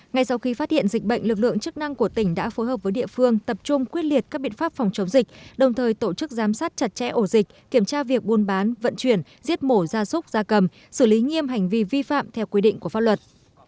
ngay sau khi phát hiện dịch bệnh lực lượng chức năng của tỉnh đã phối hợp với địa phương tập trung quyết liệt các biện pháp phòng chống dịch đồng thời tổ chức giám sát chặt chẽ ổ dịch kiểm tra việc buôn bán vận chuyển giết mổ gia súc gia cầm xử lý nghiêm hành vi vi phạm theo quy định của pháp luật